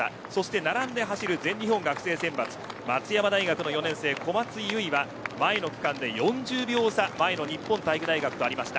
並んで走る全日本学生選抜小松優衣は前の区間で４０秒差前の日本体育大学とありました。